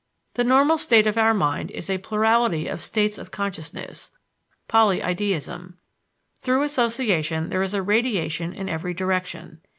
The normal state of our mind is a plurality of states of consciousness (polyideism). Through association there is a radiation in every direction.